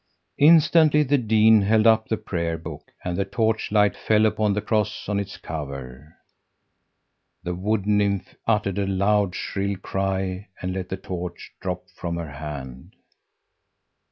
"Instantly the dean held up the Prayer book, and the torchlight fell upon the cross on its cover. The Wood nymph uttered a loud, shrill cry and let the torch drop from her hand.